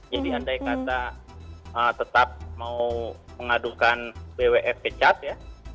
jadi andai kata tetap mau mengadukan bwf kecat ya